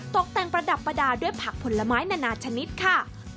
ตกแต่งประดับประดาษด้วยผักผลไม้นานาชนิดค่ะ